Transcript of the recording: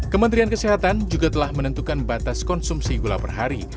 kementerian kesehatan juga telah menentukan batas konsumsi gula per hari